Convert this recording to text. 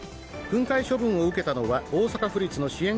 訓戒処分を受けたのは大阪府立の支援